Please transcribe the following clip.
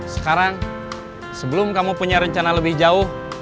sekarang sebelum kamu punya rencana lebih jauh